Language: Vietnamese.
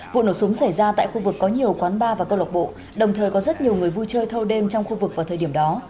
vụ nổ súng xảy ra tại khu vực có nhiều quán bar và câu lạc bộ đồng thời có rất nhiều người vui chơi thâu đêm trong khu vực vào thời điểm đó